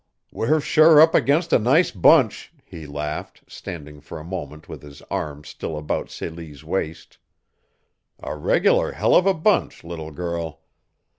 "We're sure up against a nice bunch," he laughed, standing for a moment with his arm still about Celie's waist. "A regular hell of a bunch, little girl!